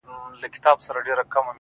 o زما پښتون زما ښايسته اولس ته ـ